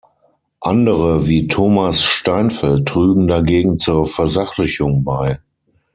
Andere wie Thomas Steinfeld trügen dagegen zur Versachlichung bei.